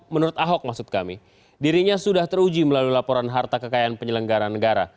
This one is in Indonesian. menurut ahok dirinya sudah teruji melalui laporan harta kekayaan penyelenggaran negara